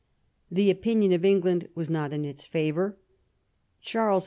The opinion of England was not in its favour ; Charles V.